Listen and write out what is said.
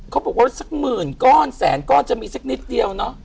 เขาบอกว่าสักหมื่นก้อนแสนก้อนจะมีสักนิดเดียวเนอะ